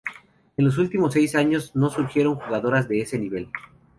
En los últimos seis años no surgieron jugadoras de ese nivel.